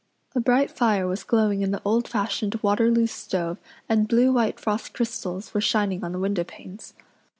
A bright fire was glowing in the old fashioned Waterloo stove and blue white frost crystals were shining on the windowpanes.